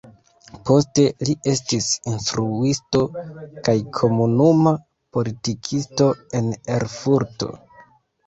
Poste li estis instruisto kaj komunuma politikisto en Erfurto.